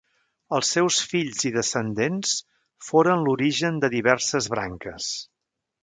Els seus fills i descendents foren l'origen de diverses branques.